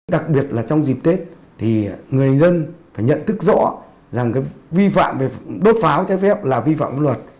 đặc biệt là trong dịp tết thì người dân phải nhận thức rõ rằng cái vi phạm về đốt pháo trái phép là vi phạm pháp luật